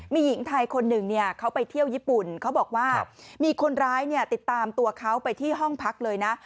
มีหญิงไทยคนหนึ่งเนี่ยเขาไปเที่ยวญี่ปุ่นเขาบอกว่ามีคนร้ายเนี่ยติดตามตัวเขาไปที่ห้องพักเลยนะ